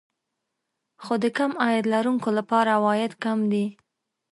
خو د کم عاید لرونکو لپاره عواید کم دي